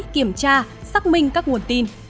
kiểm tra xác minh các nguồn tin